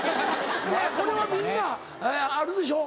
これはみんなあるでしょ？